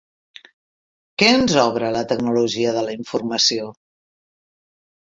Què ens obre la tecnologia de la informació?